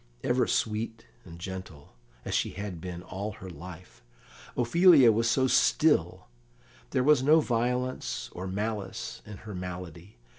Ever sweet and gentle, as she had been all her life, Ophelia was so still; there was no violence or malice in her malady.